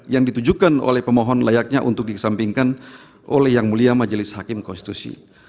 yang ditujukan oleh pemohon layaknya untuk dikesampingkan oleh yang mulia majelis hakim konstitusi